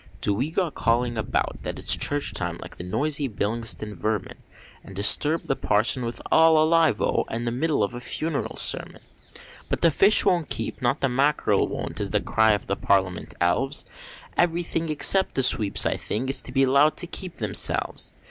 Do we go calling about, when it's church time, like the noisy Billingsgate vermin, And disturb the parson with "All alive O!" in the middle of a funeral sermon? But the fish won't keep, not the mackerel won't, is the cry of the Parliament elves, Everything, except the sweeps I think, is to be allowed to keep themselves!